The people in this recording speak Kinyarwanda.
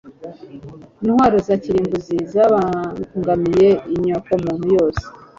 Intwaro za kirimbuzi zibangamiye inyokomuntu yose.